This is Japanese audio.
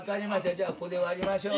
じゃあここで割りましょう。